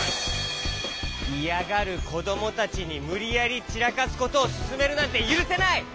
いやがるこどもたちにむりやりちらかすことをすすめるなんてゆるせない！